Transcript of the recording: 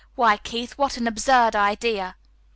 Why, Keith, what an absurd idea!